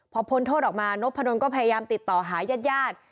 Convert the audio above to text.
พอพ้นโทษออกมานพดลก็พยายามติดต่อหายาด